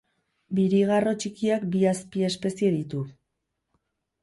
Birigarro txikiak bi azpiespezie ditu.